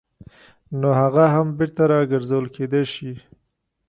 نو هغه هم بېرته راګرځول کېدای شي.